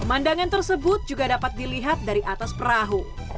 pemandangan tersebut juga dapat dilihat dari atas perahu